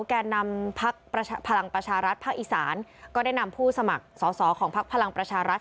แก่นำพักพลังประชารัฐภาคอีสานก็ได้นำผู้สมัครสอสอของพักพลังประชารัฐ